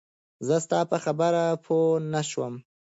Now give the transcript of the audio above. زه ستا په خبره پوهه نه شوم